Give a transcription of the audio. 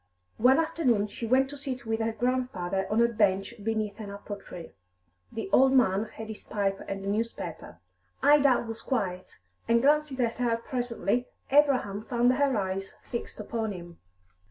One afternoon she went to sit with her grandfather on a bench beneath an apple tree. The old man had his pipe and a newspaper. Ida was quiet, and glancing at her presently, Abraham found her eyes fixed upon him.